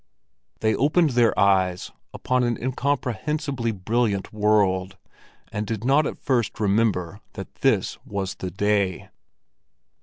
They opened their eyes upon an incomprehensibly brilliant world, and did not at first remember that this was the day.